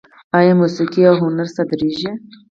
آیا موسیقي او هنر صادریږي؟